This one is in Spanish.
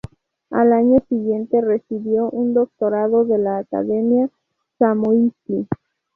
Al año siguiente recibió un doctorado de la Academia Zamoyski.